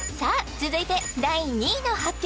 続いて第２位の発表